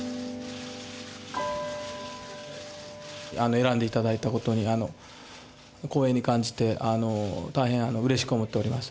選んで頂いたことにあの光栄に感じて大変うれしく思っております。